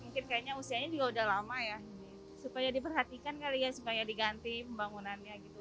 mungkin kayaknya usianya juga udah lama ya supaya diperhatikan kali ya supaya diganti pembangunannya gitu